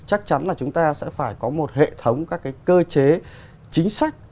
chắc chắn là chúng ta sẽ phải có một hệ thống các cái cơ chế chính sách